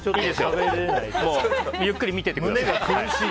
ゆっくり見ててください。